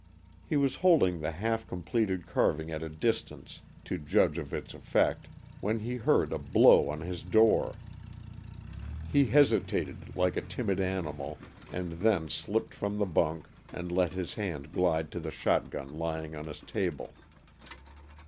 He was holding the half completed carving at a distance, to judge of its effect, when he heard a blow on his door. He hesitated, like a timid animal, and then slipped from the bunk and let his hand glide to the shot gun lying on his table.